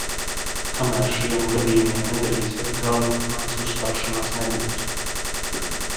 Kamēr šiem gadījumiem nedarīsiet galu, manas uzstāšanās nebūs!